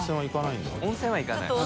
温泉は行かないんだ。